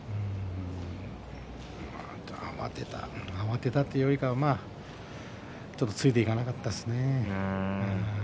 慌てたというよりかはついていけなかったですね。